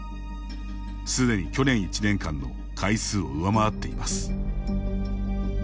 すでに去年１年間の回数を上回っています。